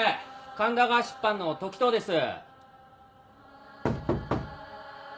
神田川出版の時任です。